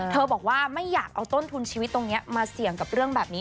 บอกว่าไม่อยากเอาต้นทุนชีวิตตรงนี้มาเสี่ยงกับเรื่องแบบนี้